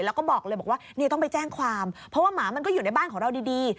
แล้วก็บอกเลยบอกว่านี่ต้องไปแจ้งความเพราะว่าหมามันก็อยู่ในบ้านของเราดี